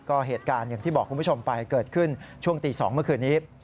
ก็เหตุการณ์อย่างที่บอกคุณผู้ชมไปเกิดขึ้นช่วงตี๒เมื่อคืนนี้